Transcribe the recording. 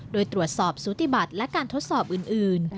โดยตรวจสอบสูติบัติและการทดสอบอื่น